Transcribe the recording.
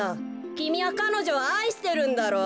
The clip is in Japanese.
きみはかのじょをあいしてるんだろう？